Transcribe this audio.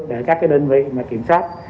để các đơn vị kiểm soát